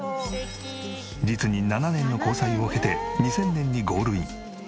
実に７年の交際を経て２０００年にゴールイン。